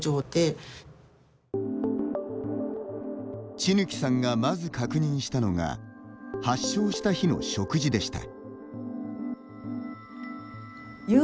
千貫さんが、まず確認したのが発症した日の食事でした。